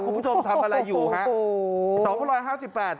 คุณผู้ชมทำอะไรอยู่ฮะโอ้โหสองพันร้อยห้าสิบแปด